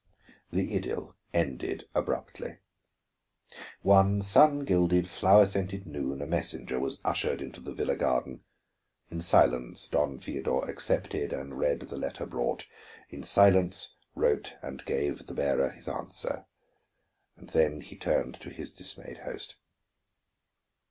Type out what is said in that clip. The idyl ended abruptly. One sun gilded, flower scented noon, a messenger was ushered into the villa garden. In silence Don Feodor accepted and read the letter brought, in silence wrote and gave to the bearer his answer. And then he turned to his dismayed host.